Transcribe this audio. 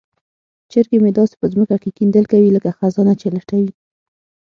چرګې مې داسې په ځمکه کې کیندل کوي لکه خزانه چې لټوي.